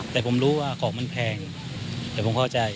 แต่ผมรู้ว่าของมันแพงแต่ผมเข้าใจ